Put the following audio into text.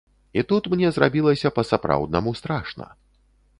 І тут мне зрабілася па-сапраўднаму страшна.